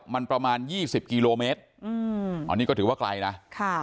มันประมาณยี่สิบกิโลเมตรอืมอันนี้ก็ถือว่าไกลนะค่ะ